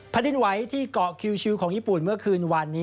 ดินไหวที่เกาะคิวของญี่ปุ่นเมื่อคืนวันนี้